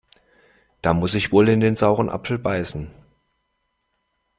Da muss ich wohl in den sauren Apfel beißen.